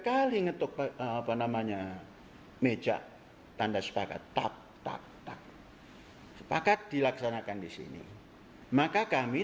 sekali ngetuk apa namanya meja tanda sepakat tap tap tak sepakat dilaksanakan di sini maka kami